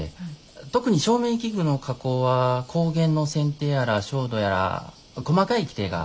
特に照明器具の加工は光源の選定やら照度やら細かい規定があるんです。